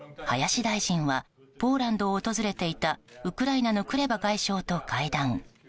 林大臣はポーランドを訪れていたウクライナのクレバ外相と会談。